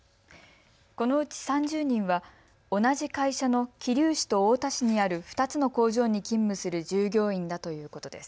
このうち３０人は同じ会社の桐生市と太田市にある２つの工場に勤務する従業員だということです。